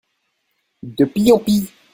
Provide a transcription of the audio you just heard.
De pis en pis.